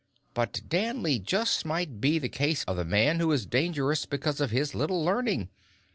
But Danley just might be the case of the man who is dangerous because of his little learning.